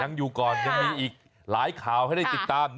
ยังอยู่ก่อนยังมีอีกหลายข่าวให้ได้ติดตาม